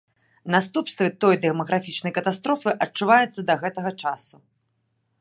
Наступствы той дэмаграфічнай катастрофы адчуваюцца да гэтага часу.